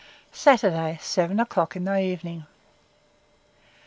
Saturday, seven o'clock in the evening.